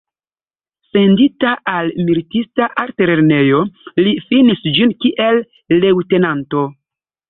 Sendita al militista altlernejo, li finis ĝin kiel leŭtenanto.